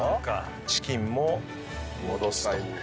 チキンも戻すと。